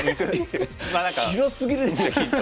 広すぎるでしょヒント。